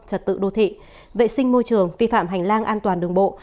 trật tự đô thị vệ sinh môi trường vi phạm hành lang an toàn đường bộ